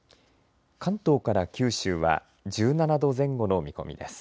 関東から九州は１７度前後の見込みです。